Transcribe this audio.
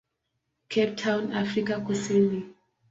Cape Town, Afrika Kusini.